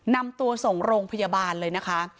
นำตัวส่งโรงพยาบาลเลยนะคะ